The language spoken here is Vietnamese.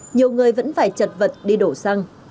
nhiều người vẫn phải chật vật đi đổ xăng